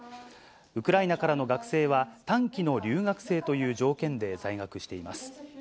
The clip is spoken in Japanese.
ウクライナからの学生は、短期の留学生という条件で在学しています。